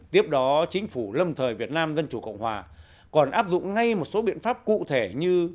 tiếp đó chính phủ lâm thời việt nam dân chủ cộng hòa còn áp dụng ngay một số biện pháp cụ thể như